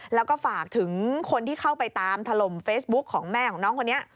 แล้วก็ฝากถึงคนที่เข้าไปตามถล่มเฟซบุ๊คของแม่ของน้องคนนี้